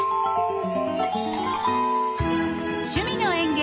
「趣味の園芸」